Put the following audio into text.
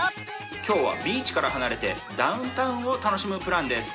今日はビーチから離れてダウンタウンを楽しむプランです